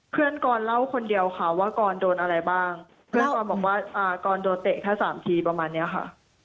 กรเล่าคนเดียวค่ะว่ากรโดนอะไรบ้างเพื่อนกรบอกว่ากรโดนเตะแค่สามทีประมาณเนี้ยค่ะ